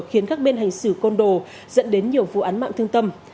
khiến các bên hành xử côn đồ dẫn đến nhiều vụ án mạng thương tâm